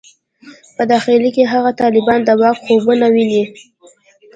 په داخل کې هغه طالبان د واک خوبونه ویني.